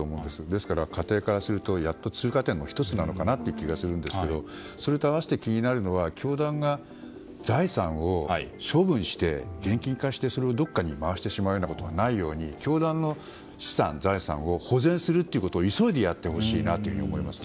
ですから過程とするとやっと通過点の１つなのかなという気がするんですけどそれと合わせて気になるのが教団が財産を処分して現金化してそれをどこかに回してしまうことがないように教団の資産、財産を保全するということを急いでやってほしいと思います。